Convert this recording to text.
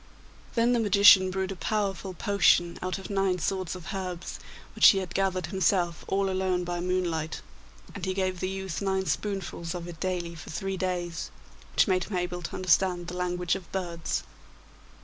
Then the magician brewed a powerful potion out of nine sorts of herbs which he had gathered himself all alone by moonlight, and he gave the youth nine spoonfuls of it daily for three days, which made him able to understand the language of birds.